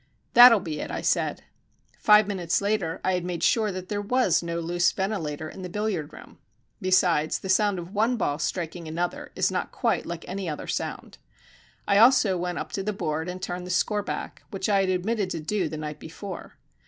"That'll be it," I said. Five minutes later I had made sure that there was no loose ventilator in the billiard room. Besides, the sound of one ball striking another is not quite like any other sound. I also went up to the board and turned the score back, which I had omitted to do the night before.